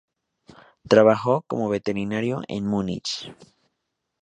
Trabajó como veterinario en Múnich.